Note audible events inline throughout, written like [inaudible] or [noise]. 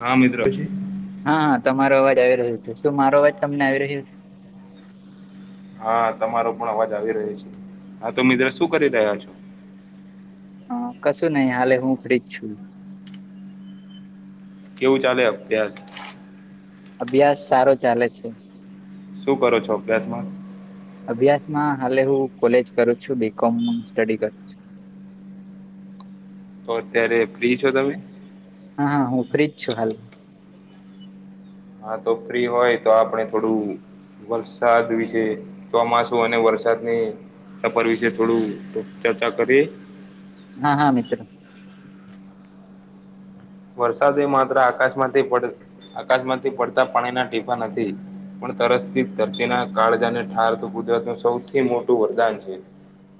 હા મિત્ર. હા હા તમારો અવાજ આવી રહ્યો છે, શું મારો અવાજ તમને આવી રહ્યો છે? હા તમારો પણ અવાજ આવી રહ્યો છે, હા તો મિત્ર શું કરી રહ્યા છો? હ કશું નહીં હાલે હું ફ્રી જ છું. કેવું ચાલે અભ્યાસ? અભ્યાસ સારો ચાલે છે. શું કરો છો અભ્યાસમાં? અભ્યાસમાં હાલે હું કોલેજ કરું છું બી કોમ સ્ટડી કરું છું. તો અત્યારે ફ્રી છો તમે? હા હા હું ફ્રી જ છું હાલ. હા તો ફ્રી હોય તો આપણે થોડું વરસાદ વિશે ચોમાસું અને વરસાદની સફર વિશે થોડું ચર્ચા કરીએ? હા હા મિત્ર. વરસાદ એ માત્ર આકાશમાંથી પડ આકાશમાંથી પડતાં પાણીના ટીપાં નથી. પણ તરસથી ધરતીના કાળજાને ઠારતુ કુદરતનું સૌથી મોટું વરદાન છે.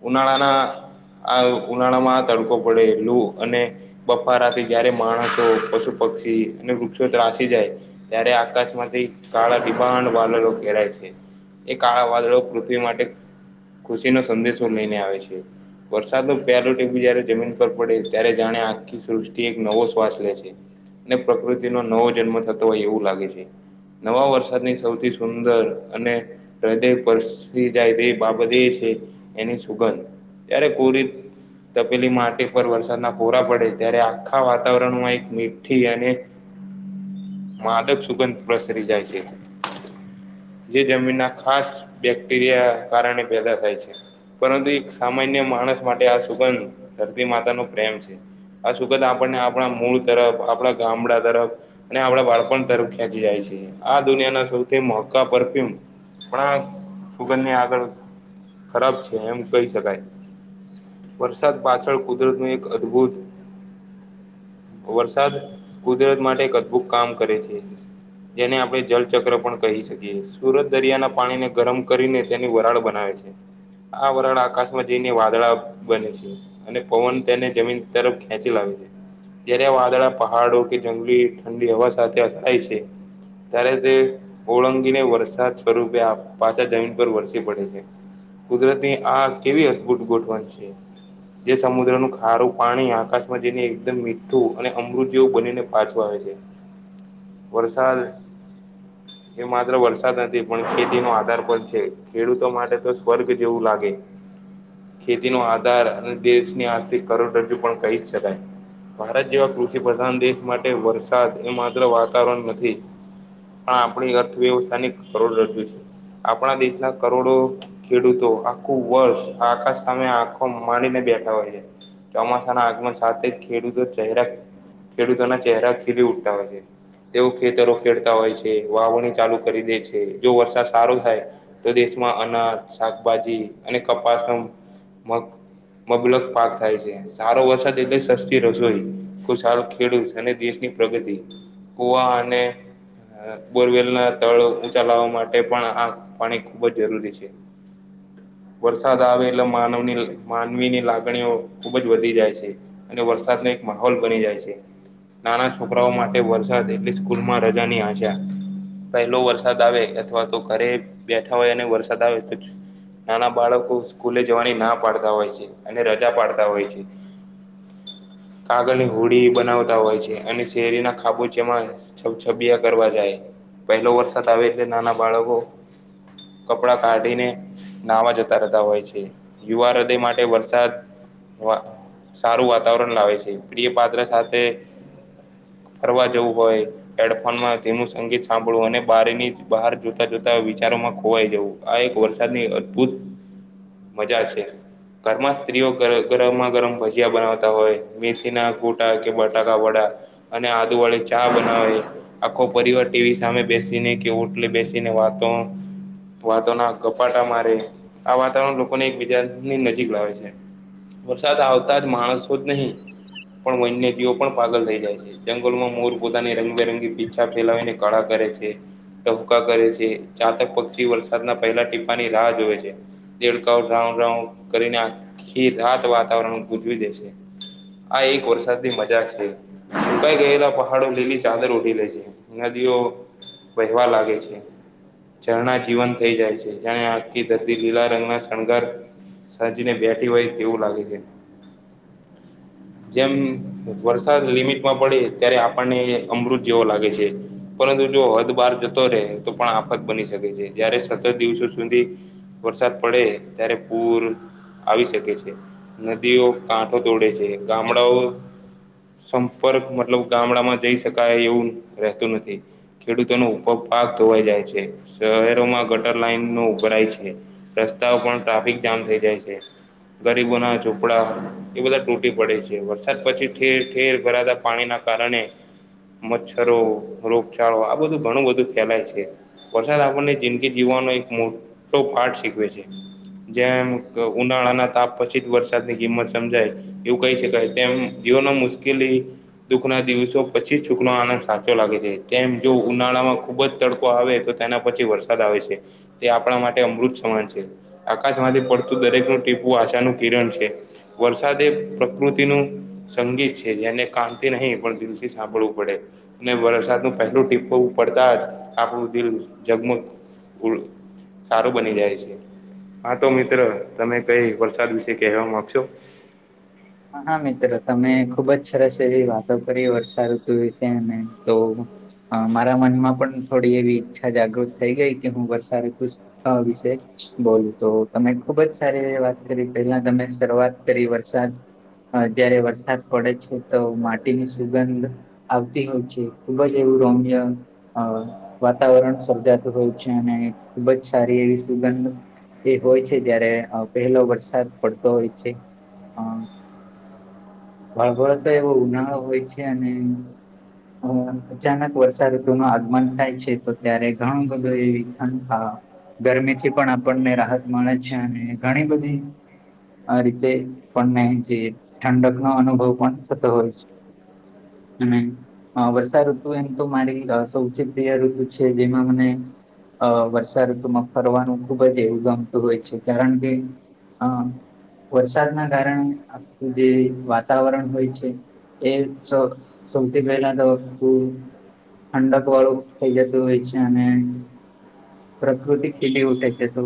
ઉનાળાના આ ઉનાળામાં આ તડકો પડે લૂ અને બફારાથી જયારે માણસો, પશુ, પક્ષી અને વૃક્ષો ત્રાસી જાય. ત્યારે આકાશમાંથી કાળા ડિભાંડ વાદળો ઘેરાય છે. એ કાળા વાદળો પૃથ્વી માટે ખુશીનો સંદેશો લઈને આવે છે. વરસાદ પહેલું ટીપું જયારે જમીન પર પડે ત્યારે જાણે આખી સૃષ્ટિ એક નવો શ્વાસ લે છે ને પ્રકૃતિનો નવો જન્મ થતો હોય એવું લાગે છે. નવા વરસાદની સૌથી સુંદર અને હૃદય પરસ્વી જાય તે બાબત એ છે એની સુગંધ. ત્યારે કોરી તપેલી માટી પર વરસાદના ઓરા પડે ત્યારે આખા વાત વાતાવરણમાં એક મીઠી અને માદક સુગંધ પ્રસરી જાય છે જે જમીનના ખાસ બેક્ટેરિયા કારણે ભેદા થાય છે. પરંતુ એક સામાન્ય માણસ માટે આ સુગંધ ધરતી માતાનો પ્રેમ છે. આ સુગંધ આપણને આપણા મૂળ તરફ, આપણા ગામડા તરફ અને આપણા બાળપણ તરફ ખેંચી જાય છે આ દુનિયાના સૌથી મોઘા પરફ્યુમ પણ આ સુગંધની આગળ ખરાબ છે એમ કહી શકાય. વરસાદ પાછળ કુદરત નું એક અદભુત વરસાદ કુદરત માટે એક અદભુત કામ કરે છે. જેને આપણે જલચક્ર પણ કહી શકીએ સુરત દરિયા ના પાણી ને ગરમ કરીને તેની વરાળ બનાવે છે આ વરાળ આકાશમાં જઈને વાદળા બને છે. અને પવન તેને જમીન તરફ ખેંચી લાવે છે. જયારે વાદળા પહાડો કે જંગલી ઠંડી હવા સાથેાય છે. ત્યારે તે ઓળંગીને વરસાદ સ્વરૂપે પાછા જમીન પર વરસી પડે છે. કુદરત ની આ કેવી અદભૂત ગોઠવાન છે. જે સમુદ્ર નું ખારું પાણી આકાશમાં જેને એકમ મીઠું અને અમૃત જેવું બનીને પાછો આવે છે. વરસાદ એ માત્ર વરસાદ નથી પણ ખેતી નો આધાર પણ છે. ખેડૂતો માટે તો વર્ગ જેવું લાગે ખેતી ન આધાર અને દેશની આર્થિક કરોડ રજૂ પણ કહી શકાય ભારત જેવા કૃષિ પ્રધાન દેશ માટે વરસાદ એ માત્ર વાતાવરણ નથી. પણ આપણી અર્થવ્યવસ્થા ની કરોડ રજૂુ છે આપણા દેશના કરોડો ખેડૂતો આખું વર્ષ આકાશ સામે આખો મામાંડીને બેઠા હોય છે. ચોમાસાના આગમન સાથે ખેડૂતો ચરા ખેડૂતોના ચહેરા ખીલી ઉઠાવ છે. તેઓ ખેતરો ખેડતા હોય છે, વાવણી ચાલુ કરી દે છે, જો વરસાદ સારો થાય તો દેશમાં અનાજ, શાકભાજી અને કપાસમ મગ મબલક પાક થાય છે. સારો વરસાદ એટલે સસ્ રસોઈ ખુશાલ ખેડૂત અને દેશની પ્રગતિ કુવા અને આ બોરવેલ ના તળો ઊંચા લાવવા માટે પણ આ પાણી ખુબ જ જરૂરી છે. [inaudible] વરસાદ આવે એટલે માનવની માનવીની લાગણીઓ ખુબ જ વધી જાય છે. અને વરસાદનો એક માહોલ બની જાય છે. નાના છોકરાઓ માટે વરસાદ એટલે સ્કૂલ માં રજાની આશા. પહેલો વરસાદ આવે અથવા તો ઘરે બેઠા હોય અને વરસાદ આવે તો નાના બાળકો સ્કૂલે જવાની ના પાડતા હોય છે, અને રજા પાડતા હોય છે. કાગળ અને હોડી બનાવતા હોય છે. અને શેરીના ખાબોચમાં છ છબિયા કરવા જાય, પહેલો વરસાદ આવે એટલે નાના બાળકો કપડા કાઢીને નાહવા જતા રતા હોય છે, યુવા રદય માટે વરસાદ વા. સારું વાતાવરણ લાવે છે, પ્રીય પાત્ર સાથે ફરવા જવું હોય. હેડફોનમાં તેનું સંગીત સાંભળવું અને બારીની બહાર જોતા જોતા વિચારોમાં ખોવાઈ જવુ આ એક વરસાદની અદભુત મજા છે, ઘરમાં સ્ત્રીઓ ગર ગરમાં-ગરમ ભજ જં બનાવતા હોય મેથી ના ઘૂટા કે બટાકા વડા અને આદુ વાળી ચા બનાવે આખો પરિવાર ટીવી સામે બેસીને કે ઓટલે બેસીને વાતો વાતોના કપાટા મારે આ વાતાવરણ લોકોને એકબીજાની નજીક લાવે છે. વરસાદ આવતા જ માણસો જ નહીં પણ વન્યજીવો પણ પાગલ થઈ જાય છે. જંગલમાં મોર પોતાની રંગબેરંગી પીછા ફેલાવીને કળા કરે છે. ટપકા કરે છે ચાતક પક્ષી વરસાદના પહેલા ટીપાની રાહ જોવે છે. દેકા ડ્રાઉ ડ્રાઉ કરીને આખી રાાત વાતાવરણ ગુંજવી છે આ એક વરસાદની મજાક છે. મુકાઈ ગયેલા પહાડો લીલી ચાદર ઉઢી લે છે. નદીઓ વહેવા લાગે છે. રણા જીવન થઈ જાય છે. જેણે આખી ધતી લીલા રંગના શણગાર સાજીને બેઠી હોય તેવું લાગે છે. જેમ વરસાદ લિમિટમાં પડે ત્યારે આપણને અમૃત જેવો લાગે છે. પરંતુ જો હદ બહાર જતો રહે તો પણ આફત બની શકે છે જયારે સતત દિવસો સુધી વરસાદ પડે ત્યારે પૂર આવી શકે છે. દીઓ કાંઠ દોડે છે. ગામડાઓ સંપર્ક મતલબ ગામડામાં જઈ શકાય એવું રહેતું નથી. ખેડૂતો ન ઉપગ પાક ધોવાઈ જાય છે. શહેરોમાં ગટર લાઈન નો ઉભરાય છે. રસ્તાઓ પણ ટ્રાફિક જામ થઈ જાય છે. ગરીબોના ઝોપડા. એ બધા તૂટી પડે છે, વરસાદ પછી ઠેર ઠેર ભરાતા પાણીના કારણે મચ્છરો રોગચાળો આ બધું ઘણું બધું ફેલાય છે. પ્રસાદ આપણને જિંદગી જીવવાનો એક મોટો પાઠ શીખવે છે. જેમ ઉનાળાના તાપ પછી જ વર. સાતની કિંમત સમજાય એવું કહી શકાય તેમ જીવ મા મુશ્કેલી દુઃખ ના દિવસો પછી છુકનો આનંદ સાચો લાગે છે, તેમ જો ઉનાળામાં ખુબ જ તડકો આવે તો તેના પછી વરસાદ આવે છે. તે આપણા માટે અમૃત સમાન છે, આકાશ માંથી પડતું દરેકનું ટીપવું આશાનું કિરણ છે. વરસાદે પ્રકૃતિનુ સંગીત છે જેને કાનથી નહી પણ દિલથી સાંભળવું પડે ને વરસાદ નુ પહેલું ટીપું પડતા જ આપણું દિલ જગમગ ઊડ સારું બની જાય છે, હા તો મિત્ર મિત્ર તમે કઈ વરસાદ વિશે કહેવા માંગશો. હા મિત્રો તમે ખુબ જ સરસ એવી વાતો કરી વર્ષાઋતુ વિશે ને તો હ મારા મનમાં પણ થોડી એવી ઈચ્છા જાગૃત થઈ ગઈ કે હું વર્ષાઋતુ અ વિશે બોલ તો તમે ખુબ જ સારી વાત કરી પહેલા તમે શરૂઆત કરી વરસાદ અ જયારે વરસાદ પડે છે તો માટીની સુગંધ આવતી હોય છે ખુબ જ એવું રમ્ય અ વાતાવરણ સર્જાતું હોય છે. અને ખુબ જ સારી એવી સુગંધ એ હોય છે ત્યારે પહેલો વરસાદ પડતો હોય છે. [inaudible] વાળભળ તો એવો ઉનાળો હોય છે, અને અચાનક વરસાદ ઋતુ ન આગમન થાય છે. તો ત્યારે ઘણું બધું એવી ઠંઠા ગરમીથી પણ આપણને રાહત મળે છે અને ઘણી બધી આ રીતે પણને જે ઠંડક નો અનુભવ પણ થતો હોય છે. તમે અ વર્ષા ઋતુ એમ તો મારી સૌથી પ્રિય ઋતુ છે. જેમાં મને અ વર્ષાઋતુમાં ફરવાનું ખુબ જ એવું ગમતું હોય છે. કારણ કે હમ વરસાદના કારણે આપું જે વાતાવરણ હોય છે. એ સ સૌથી પહેલાં તો ઠંડક વાળું થઈ જતું હોય છે, અને પ્રકૃતિ ખીલી ઉઠે છે, તો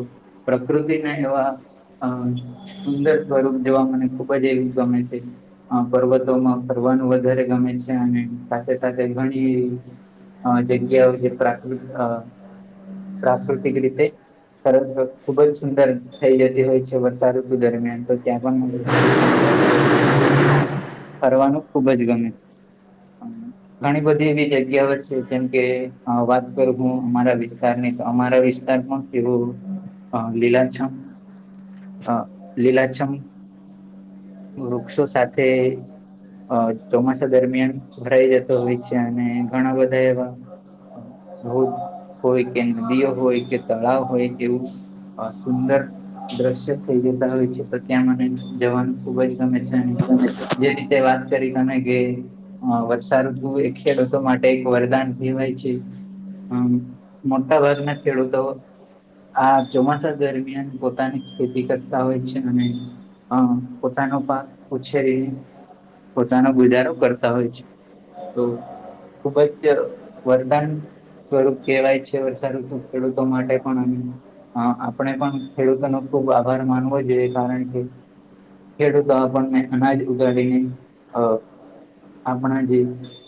પ્રકૃતિ ને હવા હ સુંદર સ્વરૂપ જેવા મને ખુબ જ એ ગમે છે. અ પર્વતોમાં ફરવાનું વધારે ગમે છે. અને સાથે સાથે ઘણી અ જગ્યાઓ જે પ્રાકૃત પ્રાકૃતિક રીતે [unintelligible] ખુબ જ સુંદર થઇ જતી હોય છે વર્ષાઋતુ દરમિયાન તો ત્યાં પણ ફરવાનું ખુબ જ ગમે [inaudible] ઘણી બધી એવી જગ્યાઓ છે જેમકે વાત કરું હું અમારા વિશે [unintelligible] તો અમારા વિસ્તારમાં કેવું લીલા છમ હ લીલાછમ વૃક્ષો સાથે અ ચોમાસા દરમિયાન ભરાઈ જતો હોય છે, અને ઘણા બધા એવા ભ હોય કે નદીઓ હોય કે તળાવ હોય એવુ સુંદર દ્રશ્ય થઈ જતા હોય છે, તો ત્યાં મને જવાનું સુબય ગમે છે ને, જે રીતે વાત કરી તમે ગે હ વરસાદ એ ખેડૂતો માટે એક વરદાન કહેવાય છે. હમ મોટા ભાગના ખેડૂતો આ ચોમાસા દરમિયાન પોતાની ખેતી કરતા હોય છે અને અ પોતાનો પાક ઉછેરી પોતાનો ગુજારો કરતા હોય છે તો [inaudible] ખુબ જ વરદાન સ્વરૂપ કહેવાય છે વર્ષાઋતુ ખેડૂતો માટે પણ હ આપણે પણ ખેડૂતોનો ખુબ આભાર માનવો જોઈએ કારણ કે ખેડૂતો આપણને અનાજ ઉગાડીને અ આપણા જે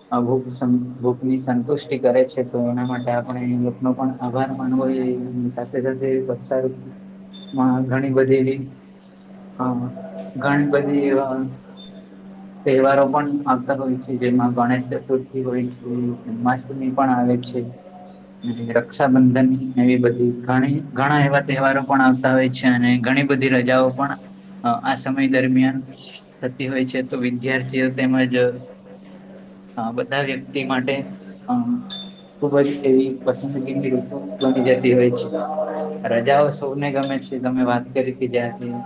[unintelligible] ભૂખની સંતુષ્ટિ કરે છે તો એના માટે આપણે એનો પણ આભાર માનવોય સાથે સાથે વરસાદમાં ઘણી બધી હા ઘણી બધી [inaudible] તહેવારો પણ આવતા હોય છે જેમાં ગણેશ ચતુર્થી હોય સ જન્માષ્ટમી પણ આવે છે રક્ષાબંધન એવી બધી ઘણી ઘણા એવા તહેવારો પણ આવે છે અને ઘણી બધી રજાઓ પણ આ સમય દરમિયાન થતી હોય છે તો વિદ્યાર્થીઓ તેમજ હ બધા વ્યક્તિ માટે હ ખુબ જ એવી પસંદગીની ઋતુ બની જતી હોય છે રજાઓ સૌ ને ગમે છે ગમે વાત કરી કે જ્યાંથી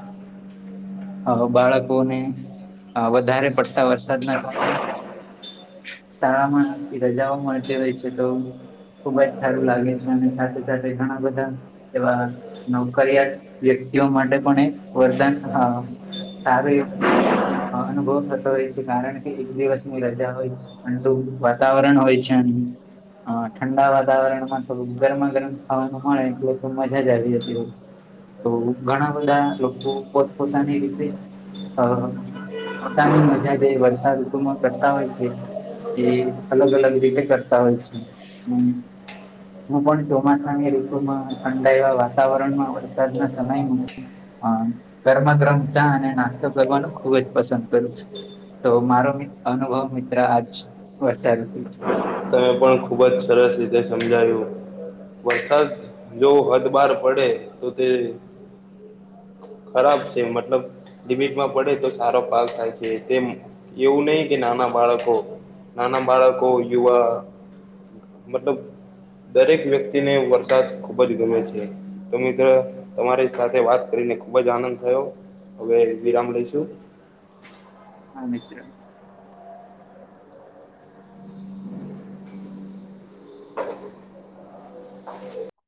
હ બાળકોને વધારે પડતા વરસાદ ના કારણે શાળામાં રજાઓ મળતી હોય છે તો ખુબ જ સારું લાગે છે અને સાથે સાથે ઘણા બધા એવા નોકરિયાત વ્યક્તિઓ માટે પણ એક વરદાન હા સારું અનુભવ થતો હોય છે કારણ કે એક દિવસની રદા હોય આલું વાતાવરણ હોય છે હ ઠંડા વાતાવરણ માં થોડું ગરમા ગરમ ખાવાનું મળે એટ તો મજા જ આવી જતી હોય તો ઘણા બધા લોકો પોતપોતાની રીતે અ પોતાની મજા જ વરસાદ ઋતુ માં કરતા હોય છે એ અલગ અલગ રીતે કરતા હોય છે હમ હું પણ ચોમાસાની ઋતુમાં ઠંડા એ વાતાવરણમાં વરસાદના સમયમાં હ કરરમ કરરમ ચા અને નાસ્તો કરવાનું ખુબ જ પસંદ કરું છું તો મારો અનુભવ મિત્ર આજ વરસાલું હત તમે પણ ખુબ જ સરસ રીતે સમજાયું વરસાદ જો હદ બાર પડે તો તે ખરાબ છે મતલબ ડિમિટમાં પડે તો સારો પાક થાય છે તેમ એવું નહિ કે નાના બાળકો નાના બાળકો યુવા મતલબ દરેક વ્યક્તિને વરસાદ ખુબ જ ગમે છે તો મિત્ર તમારી સાથે વાત કરીને ખુબ જ આનંદ થયો હવે વિરામ લઈશું હ મિત્ર